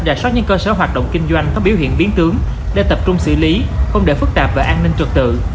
rà soát những cơ sở hoạt động kinh doanh có biểu hiện biến tướng để tập trung xử lý không để phức tạp về an ninh trật tự